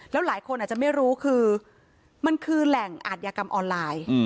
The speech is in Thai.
แล้วหลายคนอาจจะไม่รู้คือมันคือแหล่งอาทยากรรมออนไลน์